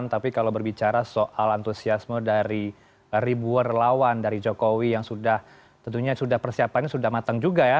tapi kalau berbicara soal antusiasme dari ribuan relawan dari jokowi yang sudah tentunya sudah persiapannya sudah matang juga ya